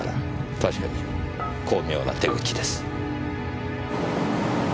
確かに巧妙な手口です。